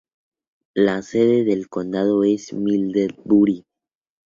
La sede del condado es Middlebury.